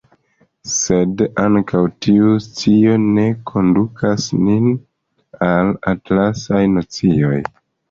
Sed ankaŭ tiu scio ne kondukas nin al atlasaj nocioj.